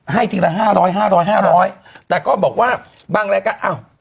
ทีละห้าร้อยห้าร้อยห้าร้อยแต่ก็บอกว่าบางรายการอ้าว